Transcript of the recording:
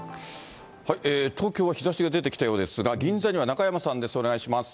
東京は日ざしが出てきたようですが、銀座には中山さんです。